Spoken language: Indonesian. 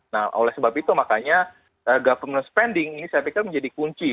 nah oleh sebab itu makanya government spending ini saya pikir menjadi kunci